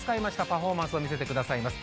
パフォーマンスを見せてくださいます